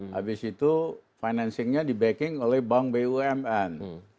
habis itu financingnya dibacking oleh bank bumn